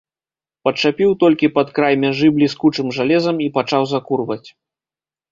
Падчапіў толькі пад край мяжы бліскучым жалезам і пачаў закурваць.